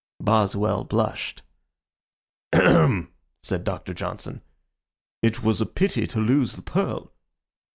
Boswell blushed. "Ahem!" said Doctor Johnson. "It was a pity to lose the pearl."